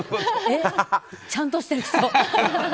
ちゃんとしてる人。